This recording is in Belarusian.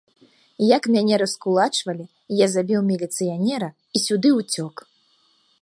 Як мяне раскулачвалі, я забіў міліцыянера і сюды ўцёк.